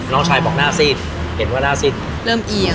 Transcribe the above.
น้องชายบอกหน้าซีดเห็นว่าหน้าซีดเริ่มเอียง